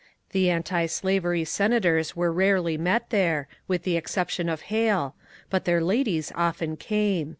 The antislavery senators were rarely met there, with the exception of Hale; but their ladies often came.